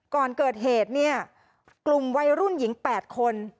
ก่อนเกิดเหตุเนี่ยกลุ่มวัยรุ่นหญิง๘คน